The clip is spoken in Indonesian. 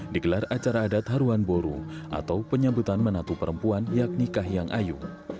digelar acara adat haruan boru atau penyambutan menatu perempuan yakni kahiyang ayu